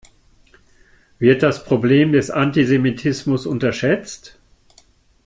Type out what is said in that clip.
Wird das Problem des Antisemitismus unterschätzt?